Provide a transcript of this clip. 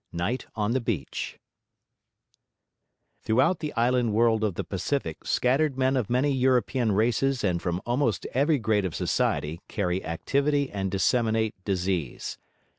NIGHT ON THE BEACH Throughout the island world of the Pacific, scattered men of many European races and from almost every grade of society carry activity and disseminate disease.